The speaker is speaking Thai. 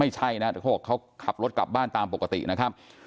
ไม่ใช่นะแต่เขาบอกเขาขับรถกลับบ้านตามปกตินะครับ